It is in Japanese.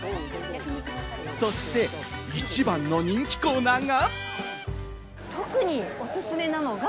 そして一番の人気コーナーが。